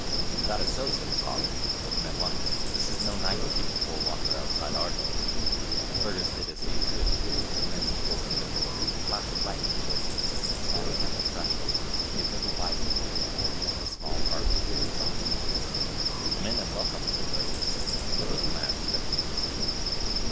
"If that is so," said his father, " open at once; this is no night to keep a poor wanderer outside our door." Fergus did as he was bidden, and as he opened 78 FAIRY TALES the door a flash of lightning showed him, stand ing at the threshold, a little wizened old man with a small harp under his arm. " Come in, and welcome," said Fergus, and the little man stepped into the room.